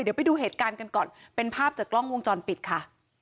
เดี๋ยวไปดูเหตุการณ์กันก่อนเป็นภาพจากกล้องวงจรปิดค่ะ